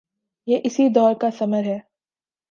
یہ اسی دور کا ثمر ہے۔